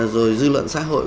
rồi dư luận xã hội